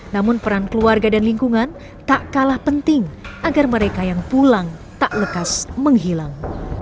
namun peran keluarga dan lingkungan tak kalah penting agar mereka yang pulang tak lekas menghilang